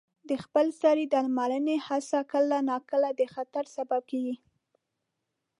د خپل سرې درملنې هڅه کله ناکله د خطر سبب کېږي.